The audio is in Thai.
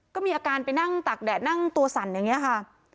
ก็มีอาการไปนั่งตากแดดนั่งตัวสั่นอย่างนี้ค่ะ